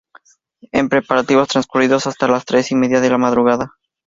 En preparativos transcurridos hasta las tres y media de la madrugada.